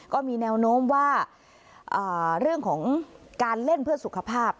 ก็มีแนวโน้มว่าเรื่องของการเล่นเพื่อสุขภาพ